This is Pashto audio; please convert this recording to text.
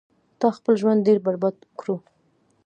تا خپل ژوند ډیر برباد کړو